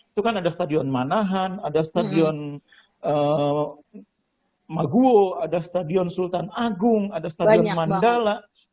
itu kan ada stadion manahan ada stadion maguwo ada stadion sultan agung ada stadion mandala